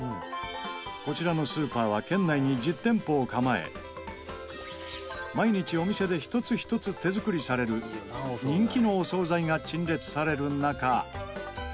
こちらのスーパーは県内に１０店舗を構え毎日お店で一つ一つ手作りされる人気のお惣菜が陳列される中。